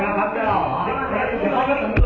ล้อมกี้ด้วยเม็ด